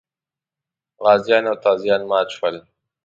غازیان او تازیان مات شول.